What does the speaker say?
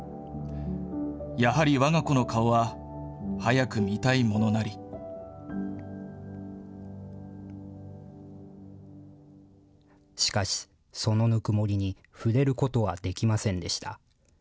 やはりわが子の顔は早く見たいもしかし、そのぬくもりに触れることはできませんでした。